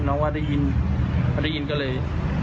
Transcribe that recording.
ว่าได้ยินพอได้ยินก็เลย